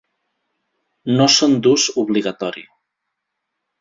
No són d'ús obligatori.